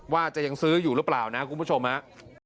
ว่าจะยังซื้ออยู่หรือเปล่านะคุณผู้ชมฮะ